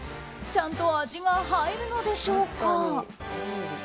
ちゃんと味が入るのでしょうか。